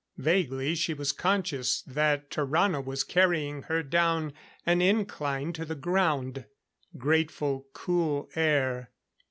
Vaguely she was conscious that Tarrano was carrying her down an incline to the ground. Grateful, cool air.